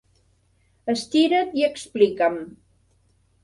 Estira't i explica'm.